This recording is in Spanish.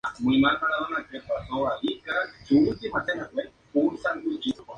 La isla está conectada con El Pireo.